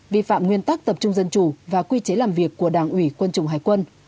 vi phạm nguyên tắc tập trung dân chủ và quy chế làm việc của đảng ủy quân chủng hải quân